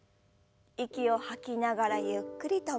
息を吐きながらゆっくりと前。